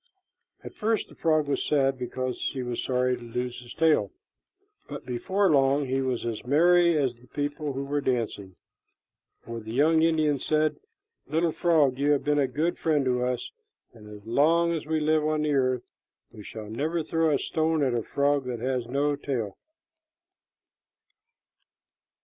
At first the frog was sad, because he was sorry to lose his tail; but before long he was as merry as the people who were dancing, for the young Indian said, "Little frog, you have been a good friend to us, and as long as we live on the earth, we will never throw a stone at a frog that has no tail."